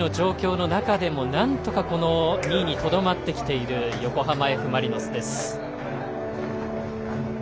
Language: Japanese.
たしかに、けが人が多い満身創痍の中でもなんとか２位にとどまってきている横浜Ｆ・マリノスです。